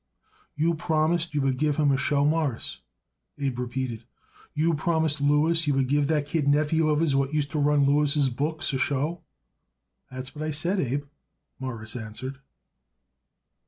"You promised you would give him a show, Mawruss?" Abe repeated. "You promised Louis you would give that kid nephew of his what used to run Louis' books a show?" "That's what I said, Abe," Morris answered.